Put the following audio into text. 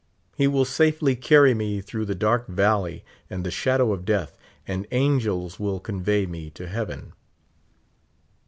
He will safely caiT)^ me through the dark valley and the shadow of death, and angels will convey me to heaven.